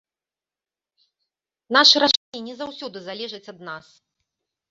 Нашы рашэнні не заўсёды залежаць ад нас.